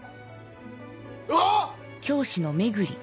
あっ！